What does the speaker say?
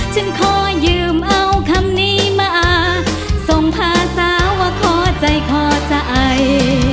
ฉันขอยืมเอาคำนี้มาส่งพาสาวว่าขอใจขอใจ